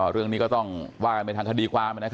เรื่องนี้ก็ต้องว่ากันไปทางคดีความ